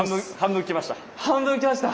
半分きました。